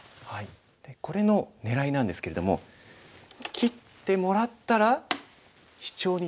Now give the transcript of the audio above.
これの狙いなんですけれども切ってもらったらシチョウに取るっていうのが白の狙い。